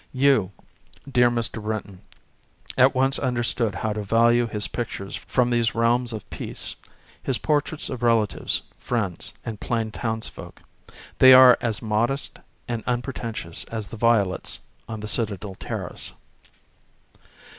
You, dear Mr. Brinton, at once imderstood how to value his pictures from these realms of peace, his portraits of relatives, friends, and plain townsfolk. They are as modest and unpretentious as the violets on the Citadel terrace.